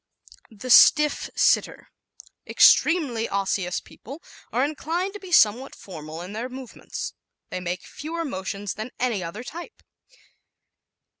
The Stiff Sitter ¶ Extremely Osseous people are inclined to be somewhat formal in their movements. They make fewer motions than any other type.